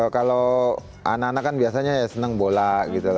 kalau anak anak kan biasanya ya senang bola gitu